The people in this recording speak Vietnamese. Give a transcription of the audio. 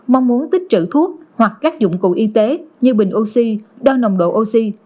mong muốn tích trữ thuốc hoặc các dụng cụ y tế như bình oxy đo nồng độ oxy